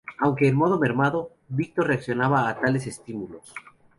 Aunque en modo mermado, Victor reaccionaba a tales estímulos.